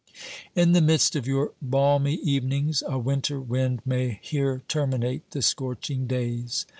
In the midst of your balmy evenings a winter wind may here terminate the scorching days.